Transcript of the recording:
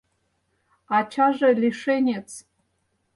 Ачаже лишенец...